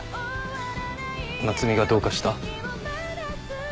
夏海がどうかした？